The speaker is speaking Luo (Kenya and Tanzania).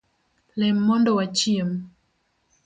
Lem mondo wachiem